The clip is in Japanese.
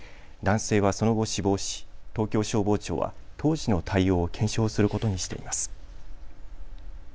男性はその後死亡し、東京消防庁は当時の対応を検証することにしています。